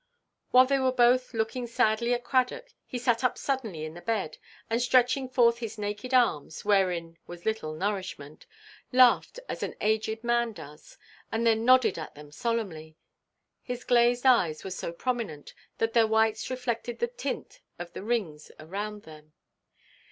While they were both looking sadly at Cradock, he sat up suddenly in the bed, and stretching forth his naked arms (wherein was little nourishment), laughed as an aged man does, and then nodded at them solemnly. His glazed eyes were so prominent, that their whites reflected the tint of the rings around them.